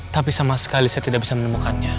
tapi sama sekali saya tidak bisa menemukannya